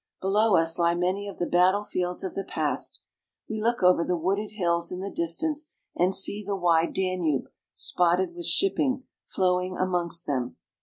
Below us lie many of the battle fields of the past ; we look over the wooded hills in the distance and see the wide Danube, spotted with shipping, flowing amongst them.